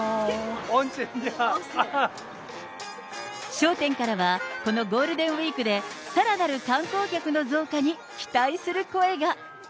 商店からは、このゴールデンウィークで、さらなる観光客の増加に期待する声が。